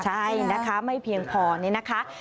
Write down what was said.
ใช่นะคะไม่เพียงพอนี่นะคะ